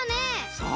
そう！